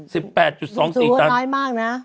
สูงสูงก็น้อยมากนะ